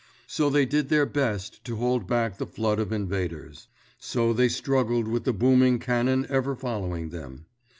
So they did their best to hold back the flood of invaders. So they struggled with the booming cannon ever following them.